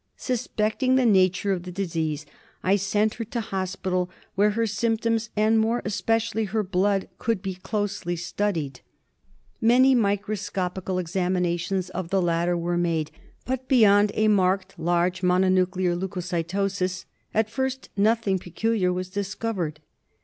Suspecting the nature of the disease, I sent her to hospital, where her symptoms and, more especially, her blood could be closely studied. Many microscopical 112 TRYPANOSOMIASIS. examinations of the latter were made, but beyond a marked large mononuclear leucocytosis at first nothing peculiar was discovered.